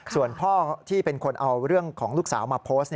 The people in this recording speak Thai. ส่วนพ่อที่เป็นคนเอาเรื่องของลูกสาวมาโพสต์